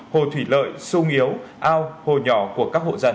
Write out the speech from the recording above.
hồ thủy lợi sung yếu ao hồ nhỏ của các hộ dân